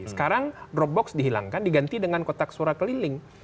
sekarang dropbox dihilangkan diganti dengan kotak suara keliling